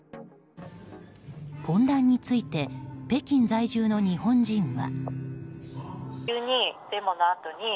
混乱について北京在住の日本人は。